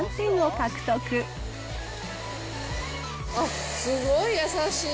あっ、すごい優しい。